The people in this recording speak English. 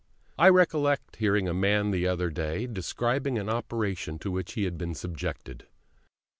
I recollect hearing a man the other day describing an operation to which he had been subjected.